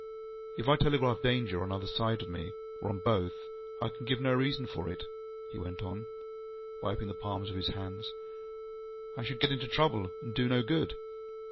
ŌĆ£If I telegraph Danger, on either side of me, or on both, I can give no reason for it, ŌĆØ he went on, wiping the palms of his hands. ŌĆ£I should get into trouble, and do no good.